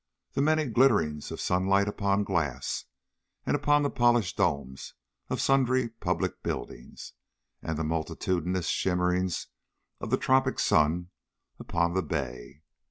The many glitterings of sunlight upon glass, and upon the polished domes of sundry public buildings, and the multitudinous shimmerings of the tropic sun upon the bay.